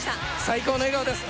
最高の笑顔です。